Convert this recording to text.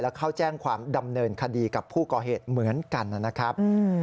เข้าแจ้งความดำเนินคดีกับผู้ก่อเหตุเหมือนกันนะครับ